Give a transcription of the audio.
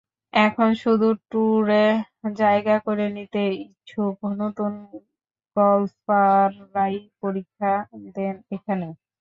এখন শুধু ট্যুরে জায়গা করে নিতে ইচ্ছুক নতুন গলফাররাই পরীক্ষা দেন এখানে।